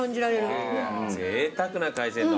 ぜいたくな海鮮丼。